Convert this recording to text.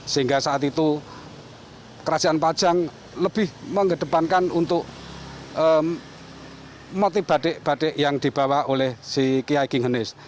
sehingga saat itu kerajaan pajang lebih mengedepankan untuk motif batik batik yang dibawa oleh si kiai king henis